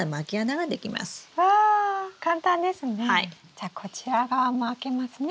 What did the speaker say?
じゃあこちら側も開けますね。